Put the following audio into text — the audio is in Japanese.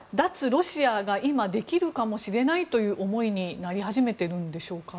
ロシアが今、できるかもしれないという思いになり始めているんでしょうか。